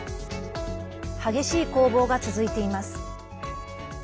激しい攻防が続いています。